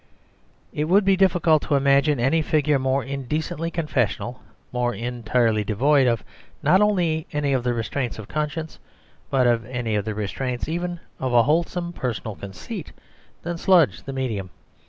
It would be difficult to imagine any figure more indecently confessional, more entirely devoid of not only any of the restraints of conscience, but of any of the restraints even of a wholesome personal conceit, than Sludge the Medium.